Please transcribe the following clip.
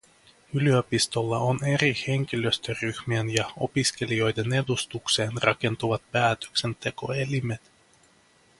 Yliopistolla on eri henkilöstöryhmien ja opiskelijoiden edustukseen rakentuvat päätöksentekoelimet.